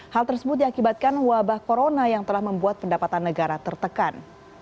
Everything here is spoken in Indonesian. hal tersebut diakibatkan wabah corona yang telah membuat pendapatan negara tertekan